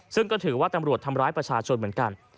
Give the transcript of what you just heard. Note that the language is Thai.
ซึ่งก็ถือว่าตำรวจทำร้ายประชาชนเหมือนกัน